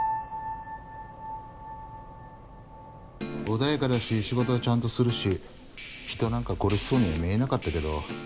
穏やかだし仕事はちゃんとするし人なんか殺しそうには見えなかったけど。